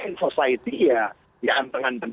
in society ya ya anteng anteng